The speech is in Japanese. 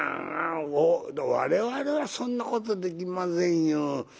我々はそんなことできませんよ。